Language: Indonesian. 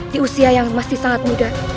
di usia yang masih sangat muda